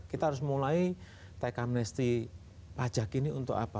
kita harus mulai tk mnesi pajak ini untuk apa